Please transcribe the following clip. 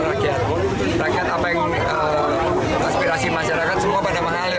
dengarkan suara rakyat rakyat apa yang aspirasi masyarakat semua pada menghalang